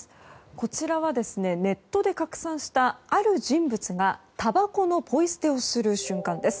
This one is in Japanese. こちらはネットで拡散したある人物がたばこのポイ捨てをする瞬間です。